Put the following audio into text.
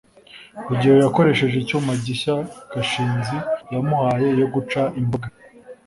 rugeyo yakoresheje icyuma gishya gashinzi yamuhaye yo guca imboga